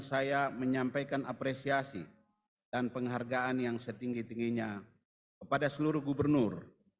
saya menyampaikan apresiasi dan penghargaan yang setinggi tingginya kepada seluruh gubernur